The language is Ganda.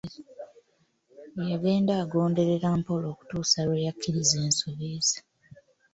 Yagenda agonderera mpola okutuusa lwe yakkiriza ensobi ze.